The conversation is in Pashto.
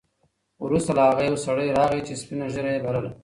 وروسته له هغه یو سړی راغی چې سپینه ږیره یې لرله.